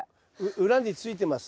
裏についてます。